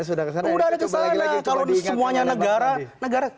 udah kesana kalau ini semuanya negara